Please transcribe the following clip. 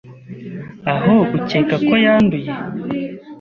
aho ukeka ko yanduye